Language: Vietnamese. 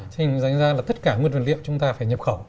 thế nên dành ra là tất cả nguyên vật liệu chúng ta phải nhập khẩu